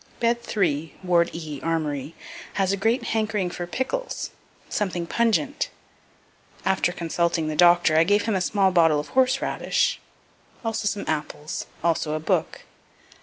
Bed 3, ward E, Armory, has a great hankering for pickles, something pungent. After consulting the doctor, I gave him a small bottle of horse radish; also some apples; also a book.